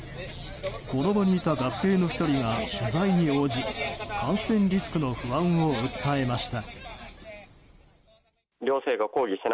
この場にいた学生の１人が取材に応じ感染リスクの不安を訴えました。